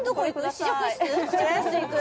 試着室行く？